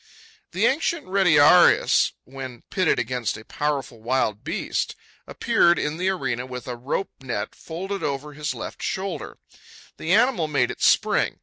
The ancient retiarius, when pitted against a powerful wild beast, appeared in the arena with a rope net folded over his left shoulder. The animal made its spring.